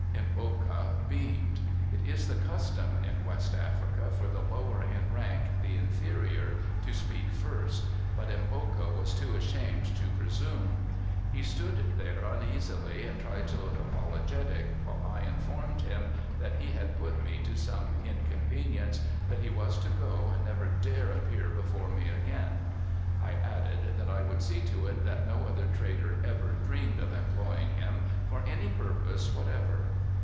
Mboka beamed. It is the custom in West Africa for the lower in rank, the inferior, to speak first, but Mboka was too ashamed to presume. He stood there uneasily and tried to look apologetic while I informed him that he had put me to some inconvenience, that he was to go and never dare appear before me again. I added that I would see to it that no other trader ever dreamed of employing him for any purpose whatever.